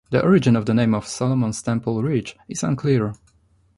The origin of the name of Solomon's Temple Ridge is unclear.